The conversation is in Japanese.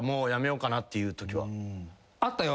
あったよ。